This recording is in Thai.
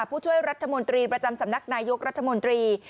ผู้ช่วยรัฐมนตรีประจำสำนักนายกรัฐมนตรี